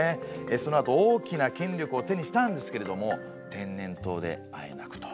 そのあと大きな権力を手にしたんですけれども天然痘であえなくと。